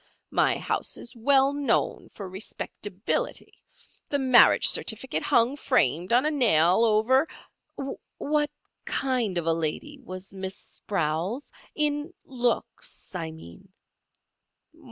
My house is well known for respectability. The marriage certificate hung, framed, on a nail over—" "What kind of a lady was Miss Sprowls—in looks, I mean?"